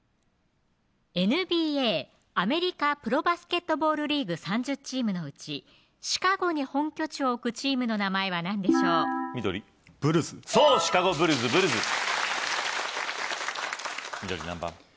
ＮＢＡアメリカプロバスケットボールリーグ３０チームのうちシカゴに本拠地を置くチームの名前は何でしょう緑ブルズそうシカゴ・ブルズブルズ緑何